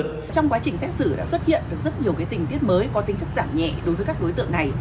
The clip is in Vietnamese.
trong quá trình xét xử đã xuất hiện được rất nhiều tình tiết mới có tính chất giảm nhẹ đối với các đối tượng này